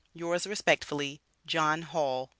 Yours Respectfuliy, JOHN HALL.